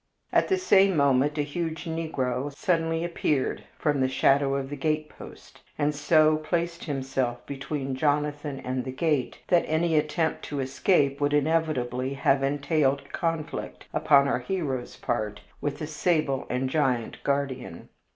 At the same moment a huge negro suddenly appeared from the shadow of the gatepost, and so placed himself between Jonathan and the gate that any attempt to escape would inevitably have entailed a conflict, upon our hero's part, with the sable and giant guardian.